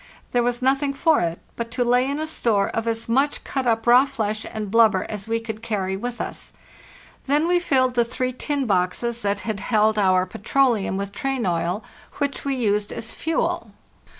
There was nothing for it but to lay in a store of as much cut up raw flesh and blubber as we could carry with us. Then we filled the three tin boxes that had held our petroleum with train oil, which THE NEW YEAR, 1896 483 we used as fuel.